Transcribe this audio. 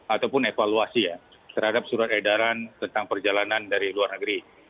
ataupun evaluasi ya terhadap surat edaran tentang perjalanan dari luar negeri